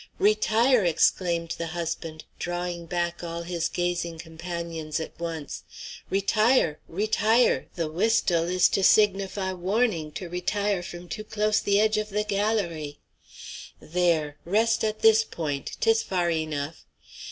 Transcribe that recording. "Retire!" exclaimed the husband, drawing back all his gazing companions at once. "Retire! retire! the whisttel is to signify warning to retire from too close the edge of the galérie! There! rest at this point. 'Tis far enough.